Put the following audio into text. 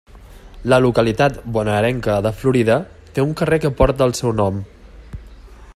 La localitat bonaerenca de Florida té un carrer que porta el seu nom.